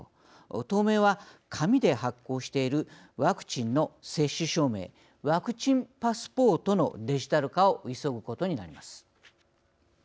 当面は、紙で発行しているワクチンの接種証明ワクチンパスポートのデジタル化を急ぐことになります。